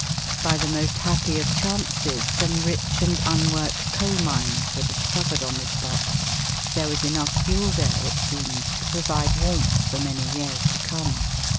By the most happy of chances some rich and unworked coal mines were discovered on the spot. There was enough fuel there, it seems, to provide warmth for many years to come.